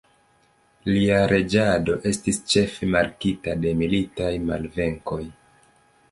Lia reĝado estis ĉefe markita de militaj malvenkoj.